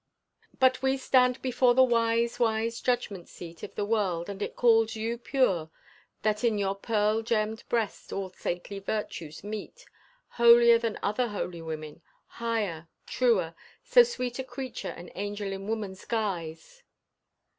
But we stand before the wise, wise judgment seat Of the world, and it calls you pure, That in your pearl gemmed breast all saintly virtues meet, Holier than other holy women, higher, truer, So sweet a creature an angel in woman's guise.